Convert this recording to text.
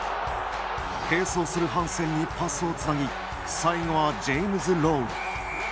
並走するハンセンにパスをつなぎ最後はジェームズ・ロウ。